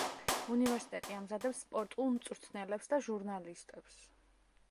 უნივერსიტეტი ამზადებს სპორტულ მწვრთნელებს და ჟურნალისტებს.